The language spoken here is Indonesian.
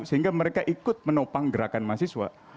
sehingga mereka ikut menopang gerakan mahasiswa